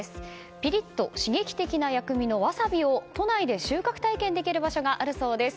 ピリッと刺激的な薬味のわさびを都内で収穫体験できる場所があるそうです。